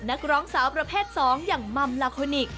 นักร้องสาวประเภท๒อย่างมัมลาโคนิค